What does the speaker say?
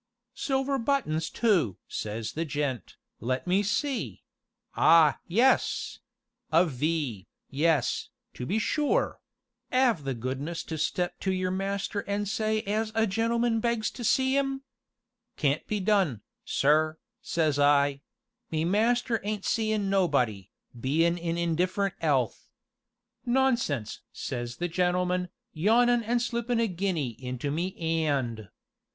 'Silver buttons too!' says the gent, 'let me see ah yes! a V, yes, to be sure 'ave the goodness to step to your master an' say as a gentleman begs to see 'im.' 'Can't be done, sir,' says I; 'me master ain't seein' nobody, bein' in indifferent 'ealth.' 'Nonsense!' says the gentleman, yawnin' an' slippin' a guinea into me 'and.